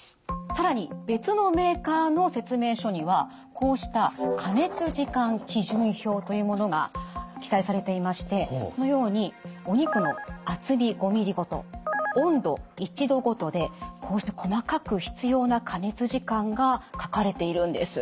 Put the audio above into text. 更に別のメーカーの説明書にはこうした加熱時間基準表というものが記載されていましてこのようにお肉の厚み５ｍｍごと温度１℃ごとでこうして細かく必要な加熱時間が書かれているんです。